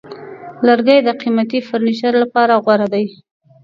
لرګی د قیمتي فرنیچر لپاره غوره دی.